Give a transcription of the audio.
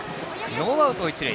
ノーアウト、一塁。